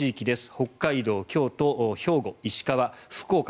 北海道、京都、兵庫石川、福岡。